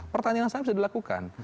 pertanyaan saya bisa dilakukan